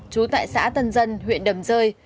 chú tại xã tân dân huyện đầm rơi